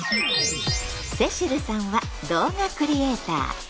聖秋流さんは動画クリエーター。